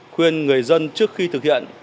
khuyên người dân trước khi thực hiện